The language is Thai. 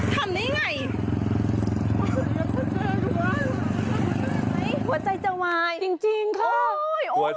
ทำนี่ไง